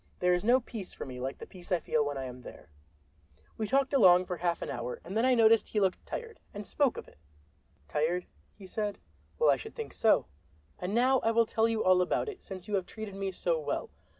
There is no peace for me like the peace I feel when I am there." We talked along for half an hour, and then I noticed that he looked tired, and spoke of it. "Tired?" he said. "Well, I should think so. And now I will tell you all about it, since you have treated me so well.